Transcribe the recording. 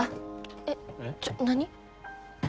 えっちょ何？